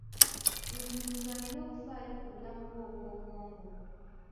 Buli muntu alina okufaayo ku bulamu bwe obw'obwongo.